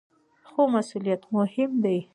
خو مسؤلیت مهم دی.